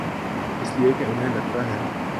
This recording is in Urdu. اس لئے کہ انہیں لگتا ہے۔